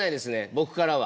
僕からは。